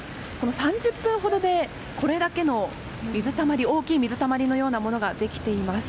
３０分ほどで、これだけの大きい水たまりのようなものができています。